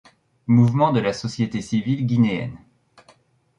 Mouvement de la société civile guinéenne.